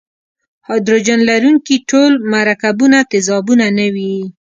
هایدروجن لرونکي ټول مرکبونه تیزابونه نه وي.